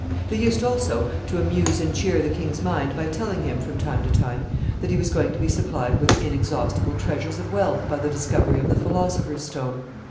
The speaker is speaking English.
] They used also to amuse and cheer the king's mind by telling him, from time to time, that he was going to be supplied with inexhaustible treasures of wealth by the discovery of the philosopher's stone.